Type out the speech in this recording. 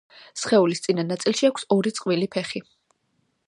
სხეულის წინა ნაწილში აქვს ორი წყვილი ფეხი.